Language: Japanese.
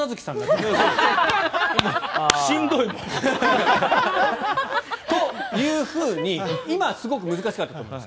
もう、しんどいもん。というふうに今すごく難しかったと思います。